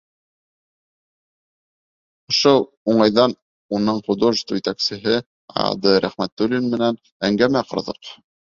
Ошо уңайҙан уның художество етәксеһе А.Д. Рәхмәтуллин менән әңгәмә ҡорҙоҡ.